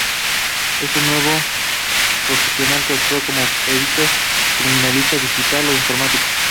Es un nuevo profesional que actúa como perito, criminalista digital, o informático.